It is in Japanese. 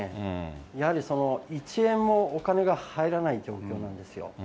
やはり１円もお金が入らないというものなんですよ。